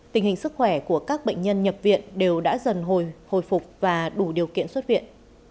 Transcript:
tình hình sức khỏe của các bệnh nhân nhập viện đều đã dần hồi hồi phục và đủ điều kiện xuất viện